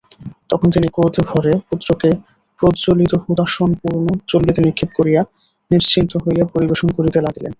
তখন তিনি ক্রোধভরে পুত্রকে প্রজ্বলিতহুতাশনপূর্ণ চুল্লীতে নিক্ষেপ করিয়া নিশ্চিন্ত হইয়া পরিবেশন করিতে লাগিলেন।